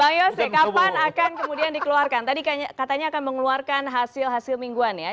bang yose kapan akan kemudian dikeluarkan tadi katanya akan mengeluarkan hasil hasil mingguan ya